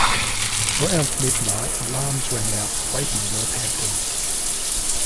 Around midnight alarms rang out, waking Northampton.